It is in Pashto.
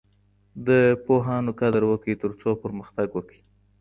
د پوهانو قدر وکړئ ترڅو پرمختګ وکړئ.